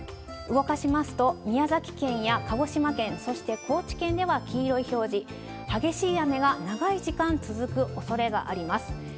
動かしますと、宮崎県や鹿児島県、そして高知県では黄色い表示、激しい雨が長い時間続くおそれがあります。